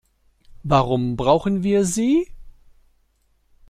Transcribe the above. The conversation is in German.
Warum brauchen wir sie?